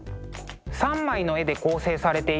３枚の絵で構成されている